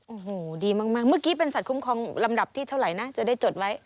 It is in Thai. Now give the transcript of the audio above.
โอ้โหดีมากเมื่อกี้เป็นสัตวคุ้มครองลำดับที่เท่าไหร่นะจะได้จดไว้